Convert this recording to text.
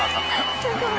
すごい。